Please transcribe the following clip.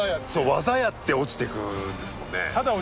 技やって落ちてくるんですもんね。